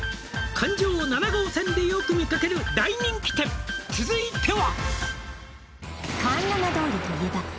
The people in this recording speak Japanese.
「環状７号線でよく見かける大人気店続いては」